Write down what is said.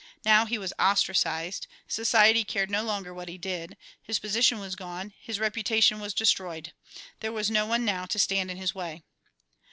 Now he was ostracized, society cared no longer what he did, his position was gone, his reputation was destroyed. There was no one now to stand in his way.